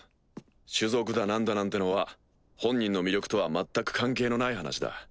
種族だなんだなんてのは本人の魅力とは全く関係のない話だ。